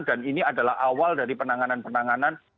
dan ini adalah awal dari penanganan penanganan